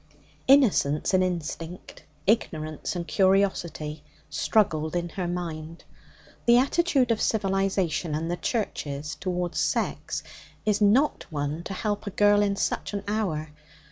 Innocence and instinct, ignorance and curiosity, struggled in her mind. The attitude of civilization and the Churches towards sex is not one to help a girl in such an hour.